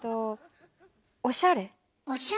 おしゃれ？